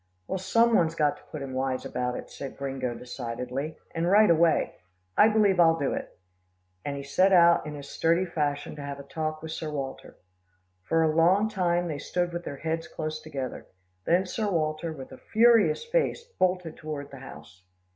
"Well, some one's got to put him wise about it," said Gringo decidedly, "and right away. I believe I'll do it," and he set out in his sturdy fashion to have a talk with Sir Walter. For a long time, they stood with their heads close together, then Sir Walter, with a furious face, bolted toward the house.